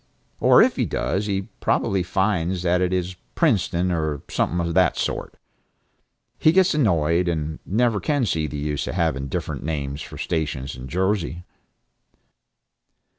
Or if he does, he probably finds that it is Princeton or something of that sort. He gets annoyed, and never can see the use of having different names for stations in Jersey.